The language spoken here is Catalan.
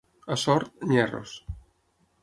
A Sort, nyerros.